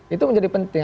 itu menjadi penting